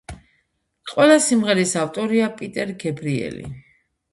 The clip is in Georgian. ყველა სიმღერის ავტორია პიტერ გებრიელი.